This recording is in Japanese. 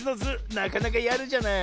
なかなかやるじゃない。